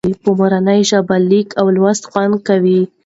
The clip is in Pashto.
په مورنۍ ژبه لیکل او لوستل خوند کوي.